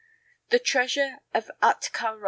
THE TREASURE OF AHTKA RĀ.